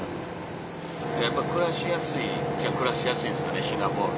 やっぱ暮らしやすいっちゃ暮らしやすいんですかねシンガポール。